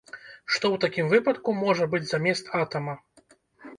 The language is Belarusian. Што ў такім выпадку можа быць замест атама?